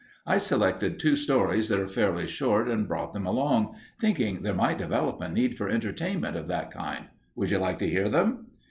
I selected two stories that are fairly short and brought them along, thinking there might develop a need for entertainment of that kind. Would you like to hear them?"